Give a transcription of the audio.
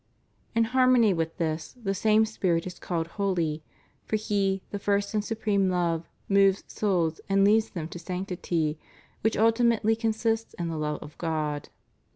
In harmony with this, the same Spirit is called holy, for He, the first and supreme Love, moves souls and leads them to sanctity, which ultimately consists in the love of God.